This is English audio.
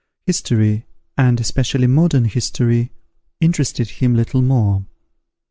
History, and especially modern history, interested him little more.